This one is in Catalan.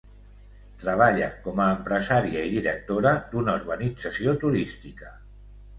Treballa com a empresària i directora d'una urbanització turística.